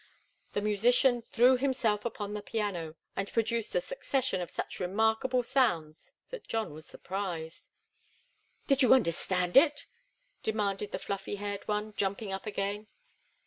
The musician threw himself upon the piano, and produced a succession of such remarkable sounds that John was surprised. "Did you understand it?" demanded the fluffy haired one, jumping up again.